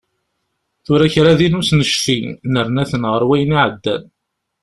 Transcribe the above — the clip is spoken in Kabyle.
Tura kra din ur s-necfi, nerna-ten ɣer wayen iɛeddan.